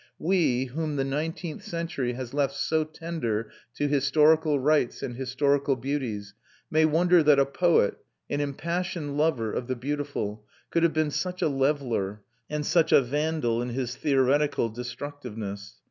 We, whom the nineteenth century has left so tender to historical rights and historical beauties, may wonder that a poet, an impassioned lover of the beautiful, could have been such a leveller, and such a vandal in his theoretical destructiveness.